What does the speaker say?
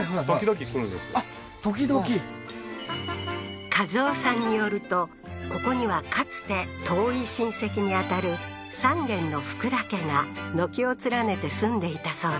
あっ時々一夫さんによるとここにはかつて遠い親戚にあたる３軒の福田家が軒を連ねて住んでいたそうだ